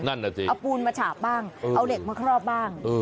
เอาปูนมาฉาบบ้างเอาเหล็กมาเคราะห์บ้าง